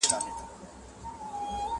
o د آهنگر يو ټک ، دزرگر سل ټکه!